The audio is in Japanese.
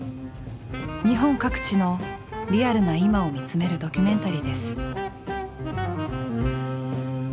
日本各地のリアルな今を見つめるドキュメンタリーです。